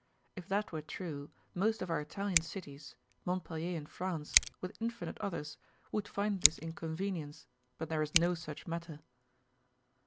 If that were true, most of our Italian cities, Montpelier in France, with infinite others, would find this inconvenience, but there is no such matter.